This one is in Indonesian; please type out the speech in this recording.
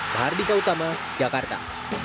mahardika utama jakarta